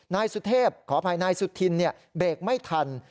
นายสุเทพขออภัยนายสุธินเบรกไม่ทัน